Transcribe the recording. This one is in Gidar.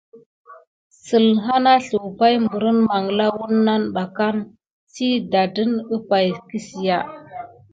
Səlhâ nà sluwà pay berine manla wuna ɓa kan si tadane apay kisia.